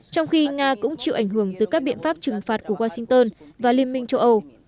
trong khi nga cũng chịu ảnh hưởng từ các biện pháp trừng phạt của washington và liên minh châu âu